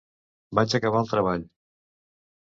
Vaig acabar el treball.